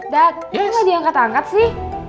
dad aku nggak diangkat angkat sih